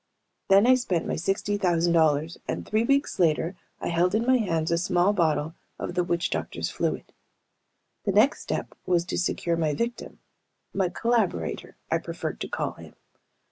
Then I spent my sixty thousand dollars, and three weeks later I held in my hands a small bottle of the witch doctors' fluid. The next step was to secure my victim my collaborator, I preferred to call him.